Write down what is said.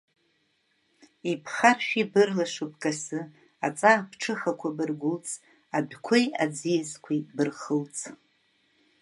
Ибхаршә ибырлашу бкасы, аҵаа-пҽыхақәа быргәылҵ, адәқәеи аӡиасқәеи бырхылҵ.